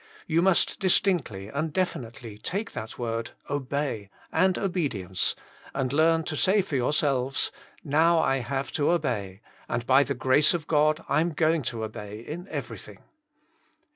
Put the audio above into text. You must distinctl}'' and definitely take that word OBEY and obedience, and leani to say for yourselves: << Now I have to obey, and by the grace of God I am going to obey in everything.